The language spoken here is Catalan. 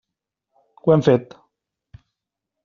Ho hem fet.